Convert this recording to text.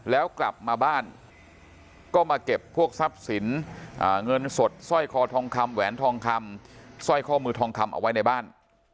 แล้วกลับมาบ้านก็มาเก็บพวกทรัพย์สินเงินสดสร้อยคอทองคำแหวนทองคำสร้อยข้อมือทองคำเอาไว้ในบ้าน